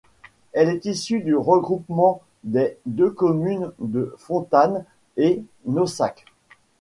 Elle est issue du regroupement des deux communes de Fontanes et Naussac.